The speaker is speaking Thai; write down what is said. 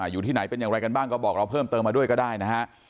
อยู่ที่ไหนเป็นอย่างไรกันบ้างก็บอกเราเพิ่มเติมมาด้วยก็ได้นะฮะ